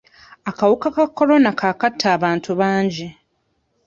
Akawuka ka Corona kaakatta abantu bangi.